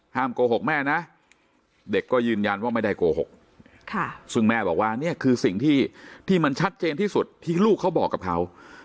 โกหกแม่นะเด็กก็ยืนยันว่าไม่ได้โกหกซึ่งแม่บอกว่านี่คือสิ่งที่มันชัดเจนที่สุดที่ลูกเขาบอกกับเขา